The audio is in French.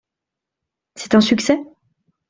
C’est un succès ?